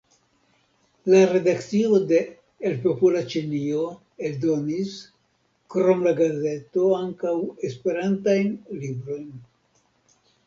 La redakcio de "El Popola Ĉinio" eldonis, krom la gazeto, ankaŭ esperantajn librojn.